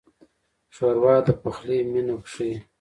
ښوروا د پخلي مینه ښيي.